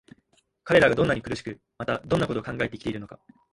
彼等がどんなに苦しく、またどんな事を考えて生きているのか、